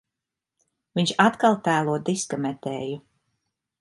Viņš atkal tēlo diska metēju.